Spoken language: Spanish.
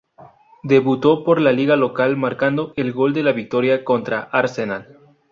Debutó por la liga local marcando el gol de la victoria contra Arsenal.